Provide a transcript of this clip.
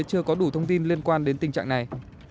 chưa có đủ thông tin liên quan đến tình trạng này